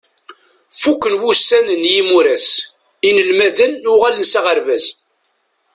Fukken wussan n yimuras, inelmaden uɣalen s aɣerbaz.